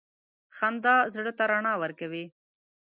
• خندا زړه ته رڼا ورکوي.